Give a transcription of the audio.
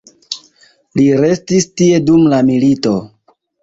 Li restis tie dum la milito.